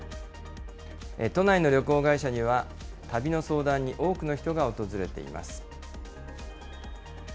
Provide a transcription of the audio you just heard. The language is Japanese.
都内の旅行会社には、旅の相談に多くの人が訪れています。